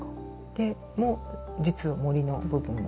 でも実は森の部分もあったり。